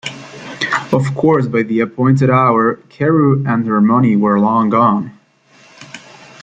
Of course by the appointed hour Carew and her money were long gone.